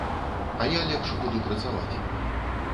А я лепш буду працаваць.